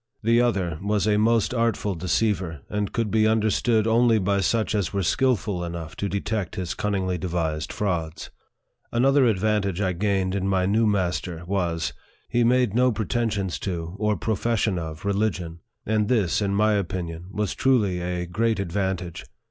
The other was a most artful deceiver, and could be understood only by such as were skilful enough to detect his cunningly devised frauds. Another advan tage I gained in my new master was, he made no pre tensions to, or profession of, religion ; and this, in my opinion, was truly a great advantage.